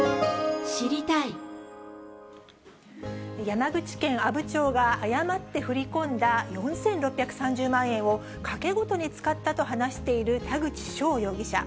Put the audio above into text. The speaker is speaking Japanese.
山口県阿武町が誤って振り込んだ４６３０万円を、賭け事に使ったと話している田口翔容疑者。